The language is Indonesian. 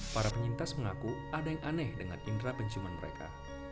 para penyintas mengaku ada yang aneh dengan indera penciuman mereka